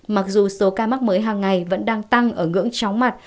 mặc dù số ca mắc mới hàng ngày vẫn đang tăng ở ngưỡng chóng mặt